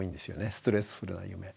ストレスフルな夢。